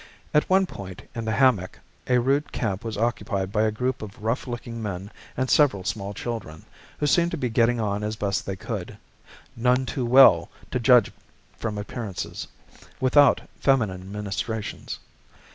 At one point, in the hammock, a rude camp was occupied by a group of rough looking men and several small children, who seemed to be getting on as best they could none too well, to judge from appearances without feminine ministrations.